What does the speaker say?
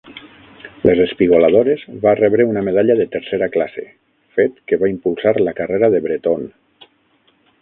"Les espigoladores" va rebre una medalla de tercera classe, fet que va impulsar la carrera de Breton.